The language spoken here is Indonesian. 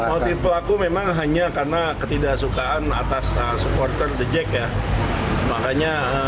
motif pelaku memang hanya karena ketidaksukaan atas supporter the jack ya